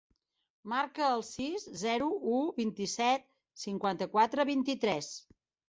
Marca el sis, zero, u, vint-i-set, cinquanta-quatre, vint-i-tres.